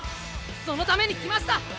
そのために来ました！